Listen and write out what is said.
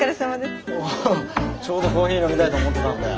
おおちょうどコーヒー飲みたいと思ってたんだよ。